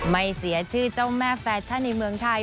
เสียชื่อเจ้าแม่แฟชั่นในเมืองไทย